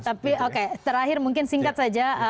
tapi oke terakhir mungkin singkat saja